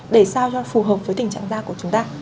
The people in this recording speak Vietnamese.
để sao cho phù hợp với tình trạng da của chúng ta